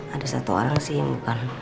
ada satu orang sih yang bukan